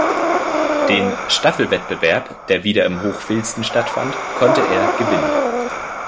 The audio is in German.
Den Staffelwettbewerb, der wieder in Hochfilzen stattfand, konnte er gewinnen.